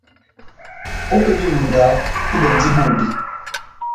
Ó epédi yá ilonda, túbɛ endi bobé.